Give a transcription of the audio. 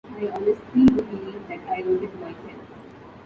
I honestly do believe that I wrote it myself.